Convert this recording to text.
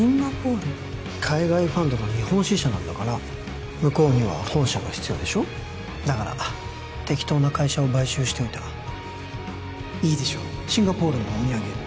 海外ファンドの日本支社なんだから向こうには本社が必要でしょだから適当な会社を買収しておいたいいでしょシンガポールのお土産